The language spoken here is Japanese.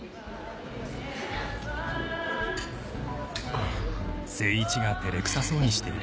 あっ。